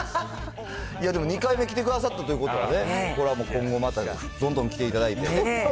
でも２回目来てくださったということはね、これはもう、今後また、どんどん来ていただいて。